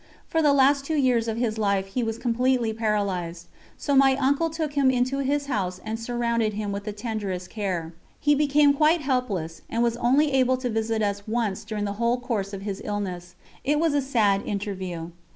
For the last two years of his life he was completely paralysed; so my uncle took him into his house and surrounded him with the tenderest care. He became quite helpless and was only able to visit us once during the whole course of his illness. It was a sad interview.